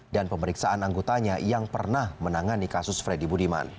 dan pemeriksaan anggutannya yang pernah menangani kasus freddy budiman